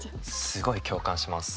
すごい共感します。